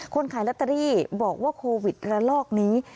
ขายลอตเตอรี่บอกว่าโควิดระลอกนี้